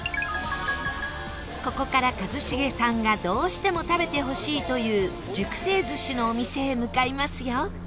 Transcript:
ここから、一茂さんがどうしても食べてほしいという熟成寿司のお店へ向かいますよ